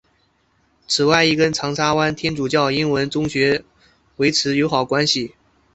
此外亦跟长沙湾天主教英文中学维持友好关系。